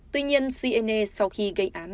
tuy nhiên siene sau khi gây án